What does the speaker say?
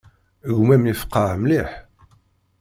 Gma-m yefqeɛ mliḥ.